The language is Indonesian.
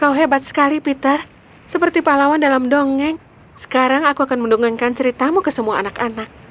kau hebat sekali peter seperti pahlawan dalam dongeng sekarang aku akan mendongengkan ceritamu ke semua anak anak